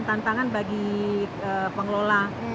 tantangan bagi pengelola